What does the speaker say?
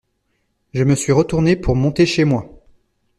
Je me suis retourné pour monter chez moi.